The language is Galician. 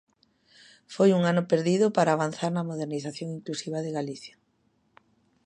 Foi un ano perdido para avanzar na modernización inclusiva de Galicia.